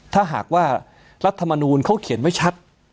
ถ้าหากว่ารัฐมนูลเขาเขียนไว้ชัด